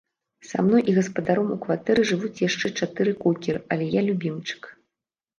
Са мной і гаспадаром у кватэры жывуць яшчэ чатыры кокеры, але я любімчык.